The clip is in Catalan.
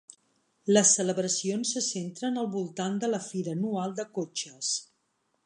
Les celebracions se centren al voltant de la fira anual de cotxes.